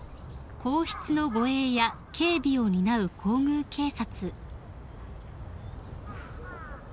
［皇室の護衛や警備を担う皇宮警察］